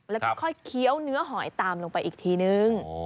แล้วก็ค่อยเคี้ยวเนื้อหอยตามลงไปอีกทีนึง